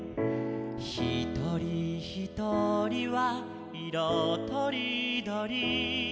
「ひとりひとりはいろとりどり」